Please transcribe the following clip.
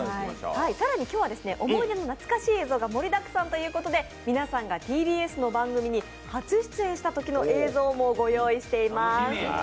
更に今日は思い出の懐かしい映像が盛りだくさんということで、皆さんがＴＢＳの番組に初出演したときの映像もご用意しています。